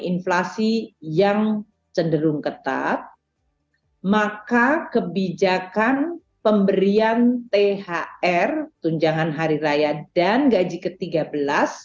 inflasi yang cenderung ketat maka kebijakan pemberian thr tunjangan hari raya dan gaji ke tiga belas